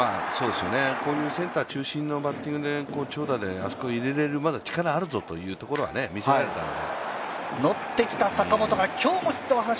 こういうセンター中心にバッティングで、長打であそこに入れられるぞという力は見せられたんで。